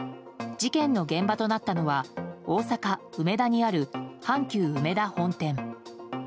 事件の現場となったのは大阪・梅田にある阪急うめだ本店。